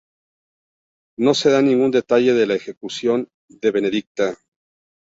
No se da ningún detalle de la ejecución de Benedicta.